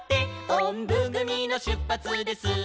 「おんぶぐみのしゅっぱつです」